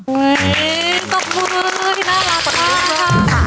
เฮ้ยตกมือน่ารักมากครับ